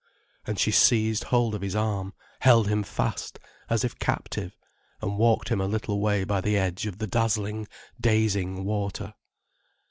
And she seized hold of his arm, held him fast, as if captive, and walked him a little way by the edge of the dazzling, dazing water.